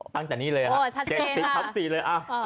ตั้งจากนี้เลยค่ะ๗๐ทับ๔เลย